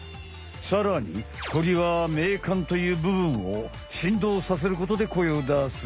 さらに鳥は鳴管というぶぶんをしんどうさせることで声を出す。